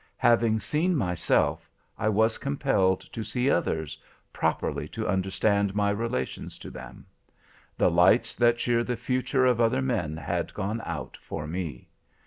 Having seen myself, I was compelled to see others, properly to understand my relations to them. The lights that cheer the future of other men had gone out for me.